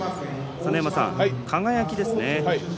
佐ノ山さん、輝ですね。